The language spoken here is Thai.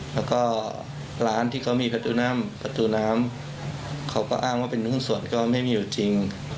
แล้วก็ร้านที่เขามีประตูน้ำประตูน้ำเขาก็อ้างว่าเป็นหุ้นส่วนก็ไม่มีอยู่จริง